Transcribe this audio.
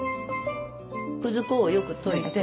くず粉をよく溶いて。